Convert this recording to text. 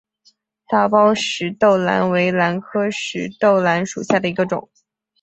大苞石豆兰为兰科石豆兰属下的一个种。